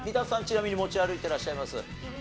ちなみに持ち歩いてらっしゃいます？